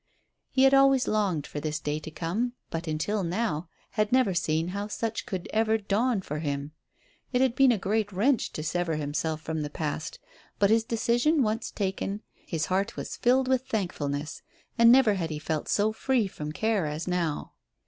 He had always longed for this day to come, but, until now, had never seen how such could ever dawn for him. It had been a great wrench to sever himself from the past, but his decision once taken his heart was filled with thankfulness, and never had he felt so free from care as now.